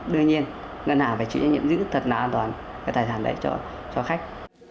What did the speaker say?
đương nhiên ngân hàng phải chịu trách nhiệm giữ thật là an toàn cái tài sản đấy cho khách